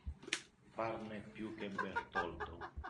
Farne più che Bertoldo.